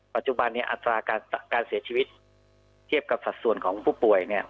ปัจจุบันอัตราการเสียชีวิตเทียบกับสัดส่วนของผู้ป่วย